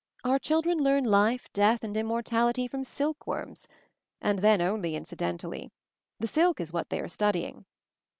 Our children learn life, death, and immortality, from silk worms; and, then only incidentally. The silk is what they are studying.